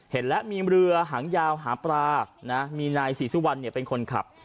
เห็นแล้วมีเรือหางยาวหาปลานะมีนายศรีสุวรรณเป็นคนขับ